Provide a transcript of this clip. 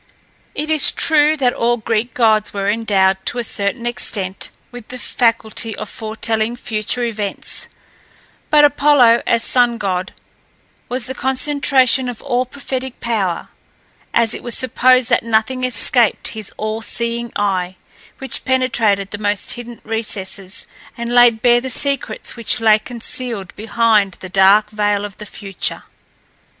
It is true that all Greek gods were endowed, to a certain extent, with the faculty of foretelling future events; but Apollo, as sun god, was the concentration of all prophetic power, as it was supposed that nothing escaped his all seeing eye, which penetrated the most hidden recesses, and laid bare the secrets which lay concealed behind the dark veil of the future.